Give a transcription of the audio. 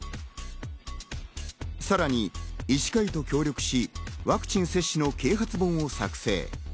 さらに医師会と協力しワクチン接種の啓発本を作成。